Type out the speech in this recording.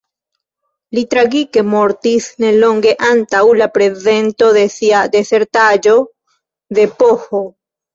Li tragike mortis nelonge antaŭ la prezento de sia disertaĵo de Ph.